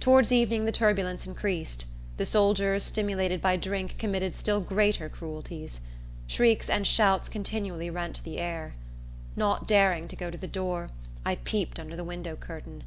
Towards evening the turbulence increased. The soldiers, stimulated by drink, committed still greater cruelties. Shrieks and shouts continually rent the air. Not daring to go to the door, I peeped under the window curtain.